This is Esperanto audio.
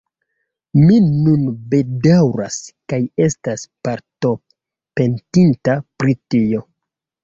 Mi nun bedaŭras kaj estas pardonpetinta pri tio.